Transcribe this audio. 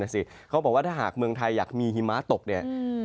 สิเขาบอกว่าถ้าหากเมืองไทยอยากมีหิมะตกเนี่ย